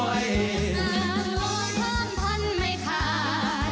อารมณ์เพิ่มพันธุ์ไม่ขาด